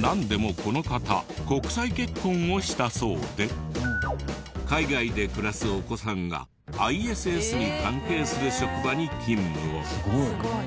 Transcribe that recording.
なんでもこの方国際結婚をしたそうで海外で暮らすお子さんがＩＳＳに関係する職場に勤務を。